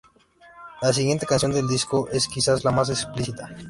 La siguiente canción del disco es quizás, la más explícita.